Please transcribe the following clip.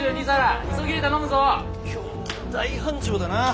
今日は大繁盛だな。